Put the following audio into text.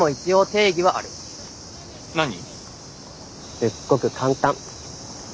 すっごく簡単。